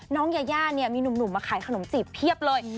น้องยาย่ามีหนุ่มมาขายขนมจิตเพียบเลย